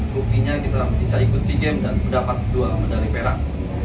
buktinya kita bisa ikut sea games dan mendapat dua medali perak